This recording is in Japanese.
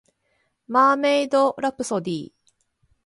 マーメイドラプソディ